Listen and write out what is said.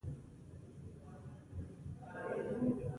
زمانشاه به ځای پیدا نه کړي.